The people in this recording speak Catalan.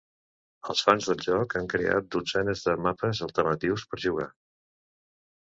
Els fans del joc han creat dotzenes de mapes alternatius per jugar.